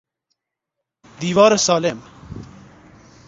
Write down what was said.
دیوار سالم